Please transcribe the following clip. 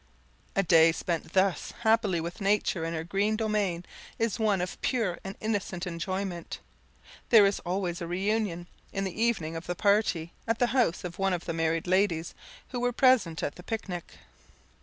A day spent thus happily with nature in her green domain, is one of pure and innocent enjoyment. There is always a reunion, in the evening, of the party, at the house of one of the married ladies who were present at the picnic.